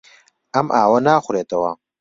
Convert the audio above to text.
ئەم ئاوە ناخورێتەوە.